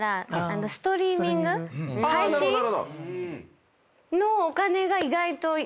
ストリーミング？配信？のお金が意外と。